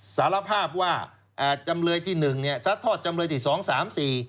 สารภาพว่าอ่าจำเลยที่หนึ่งเนี่ยซัดทอดจำเลยที่สองสามสี่